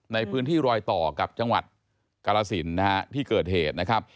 ในพื้นที่รอยต่อกับจังหวัดกรสินนะฮะที่เกิดเหตุนะครับ